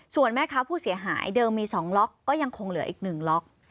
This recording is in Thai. ส่วนแม่ค้าผู้เสียหายเดิมมี๒ล็อกก็ยังคงเหลืออีก๑ล็อก